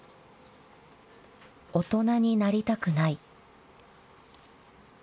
大人になりたくない。